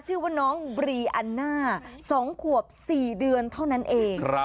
ชื่อว่าน้องบรีอันน่า๒ขวบ๔เดือนเท่านั้นเอง